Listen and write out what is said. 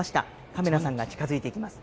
カメラさんが近づいていきます。